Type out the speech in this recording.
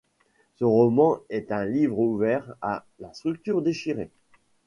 Ce roman est un livre ouvert à la structure déchirée.